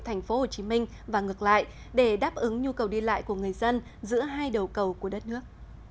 thành phố hồ chí minh và ngược lại để đáp ứng nhu cầu đi lại của người dân giữa hai đầu cầu của đất nước